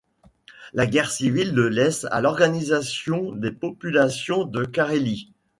La Guerre civile le laisse à l'organisation des populations de Carélie.